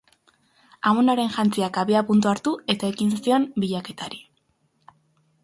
Amonaren jantziak abiapuntu hartu eta ekin zion bilketari.